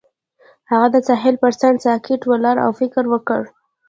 هغه د ساحل پر څنډه ساکت ولاړ او فکر وکړ.